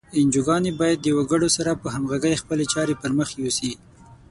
انجوګانې باید د وګړو سره په همغږۍ خپلې چارې پر مخ یوسي.